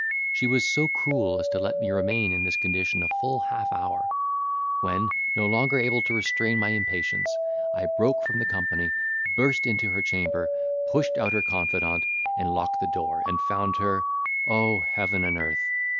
She was so cruel as to let me remain in this condition a full half hour: when, no longer able to restrain my impatience, I broke from the company, burst into her chamber, pushed out her confidante, and locked the door, and found her—O heaven and earth!